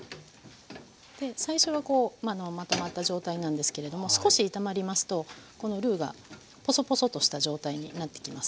で最初はこうまとまった状態なんですけれども少し炒まりますとこのルーがポソポソとした状態になってきます。